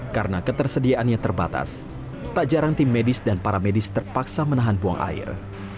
karena ketersediaannya terbatas tak jarang tim medis dan para medis terpaksa menahan buang air